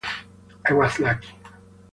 I was lucky.